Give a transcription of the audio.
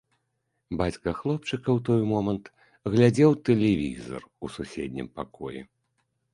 Бацька хлопчыка ў той момант глядзеў тэлевізар у суседнім пакоі.